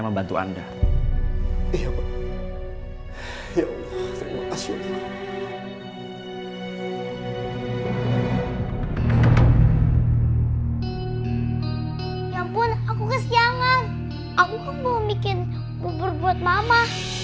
sama bantu anda ya ya allah terima kasih ya allah ya ampun aku kesiangan aku mau bikin bubur buat mama